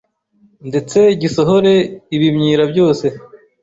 ndetse gisohore ibimyira byose